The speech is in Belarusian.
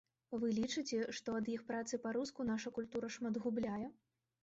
Вы лічыце, што ад іх працы па-руску наша культура шмат губляе?